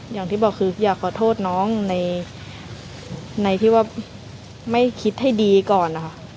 อยากขอโทษน้องในที่ไม่คิดให้ดีก่อน